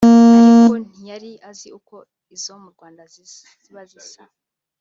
ariko ntiyari azi uko izo mu Rwanda ziba zisa